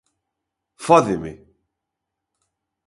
Fódeme.